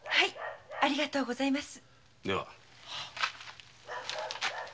ありがとうございます。